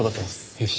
よし。